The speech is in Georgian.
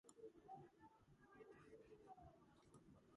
ძირითადად დიეტური კვებისათვის გამოიყენება.